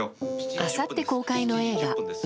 あさって公開の映画「梅